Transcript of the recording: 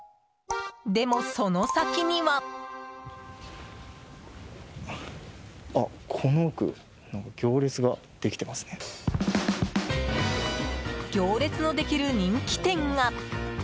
でも、その先には。行列のできる人気店が！